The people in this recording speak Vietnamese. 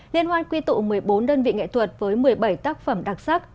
liên hoan quy tụ một mươi bốn đơn vị nghệ thuật với một mươi bảy tác phẩm đặc sắc